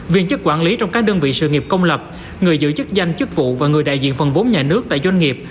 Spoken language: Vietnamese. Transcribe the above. viên chức quản lý trong các đơn vị sự nghiệp công lập người giữ chức danh chức vụ và người đại diện phần vốn nhà nước tại doanh nghiệp